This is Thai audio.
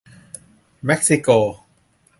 เม็กซิโก